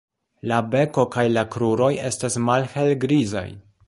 La beko kaj la kruroj estas malhelgrizaj.